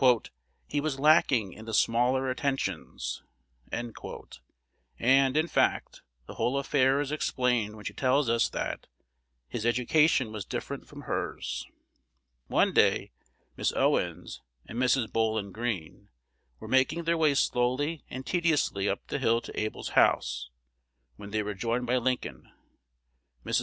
"He was lacking in the smaller attentions;" and, in fact, the whole affair is explained when she tells us that "his education was different from" hers. One day Miss Owens and Mrs. Bowlin Greene were making their way slowly and tediously up the hill to Able's house, when they were joined by Lincoln. Mrs.